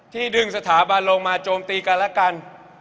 ดึงสถาบันลงมาโจมตีกันและกัน